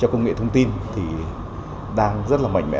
công nghệ thông tin thì đang rất là mạnh mẽ